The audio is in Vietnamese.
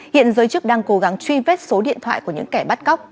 hiện giới chức đang cố gắng truy vết số điện thoại của những kẻ bắt cóc